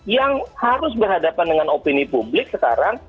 yang harus berhadapan dengan opini publik sekarang